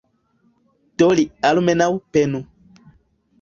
Do li almenaŭ penu.